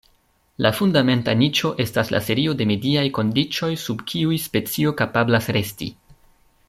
La fundamenta niĉo estas la serio de mediaj kondiĉoj sub kiuj specio kapablas resti.